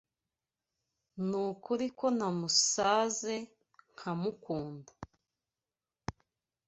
Nukuri ko namusaze nkamukunda.